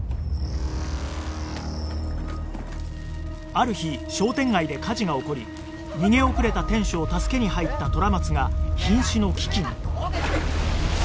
ある日商店街で火事が起こり逃げ遅れた店主を助けに入った虎松が瀕死の危機に